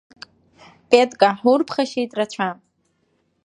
Петка, ҳурԥхашьеит рацәа!